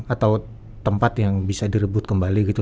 atau tempat yang bisa direbut kembali gitu